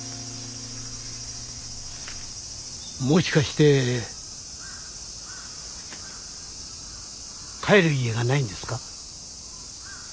もしかして帰る家がないんですか？